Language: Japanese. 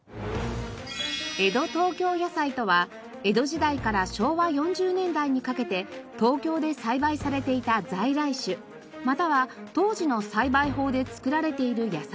江戸東京野菜とは江戸時代から昭和４０年代にかけて東京で栽培されていた在来種または当時の栽培法で作られている野菜の事。